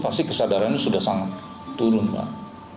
pasti kesadarannya sudah sangat turun pak